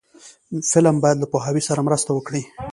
فلم باید له پوهاوي سره مرسته وکړي